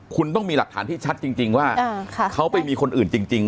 คุณต้องมีหลักฐานที่ชัดจริงว่าเขาไปมีคนอื่นจริง